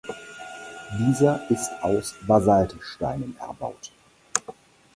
Dieser ist aus Basaltsteinen erbaut.